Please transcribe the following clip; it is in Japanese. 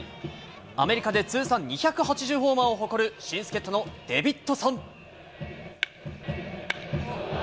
アメリカで通算２８０ホーマーを誇る新助っとのデビッドソン。